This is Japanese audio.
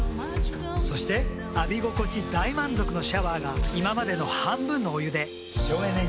そして浴び心地大満足のシャワーが今までの半分のお湯で省エネに。